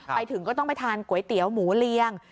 ไปถึงก็ต้องไปทานก๋วยเตี๋ยวหมูเลียง